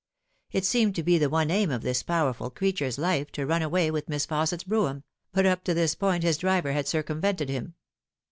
It seemed to be the one aim of this powerful creature's lif e to run away with Miss Fausset's brougham, but up to this point his driver had circumvented him.